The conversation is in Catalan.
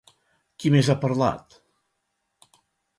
Qui més ha parlat?